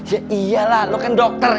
ya iyalah lo kan dokter